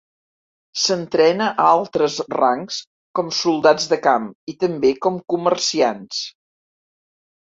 S'entrena a altres rangs com soldats de camp i també com comerciants.